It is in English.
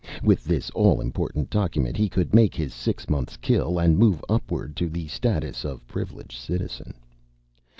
With this all important document, he could make his six months kill and move upward to the status of Privileged Citizen.